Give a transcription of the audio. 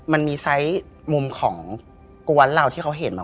มันมีไซส์มุมของกวนเราที่เขาเห็นมา